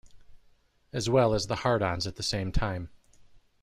As well as the Hard-Ons at the same time.